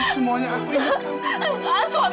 semuanya aku ingat